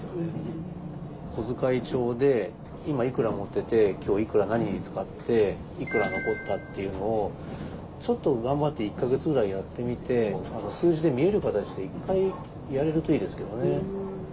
小遣い帳で今いくら持ってて今日いくら何に使っていくら残ったっていうのをちょっと頑張って１か月ぐらいやってみて数字で見える形で一回やれるといいですけどね。